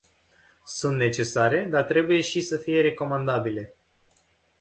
Sunt necesare, dar trebuie și să fie recomandabile.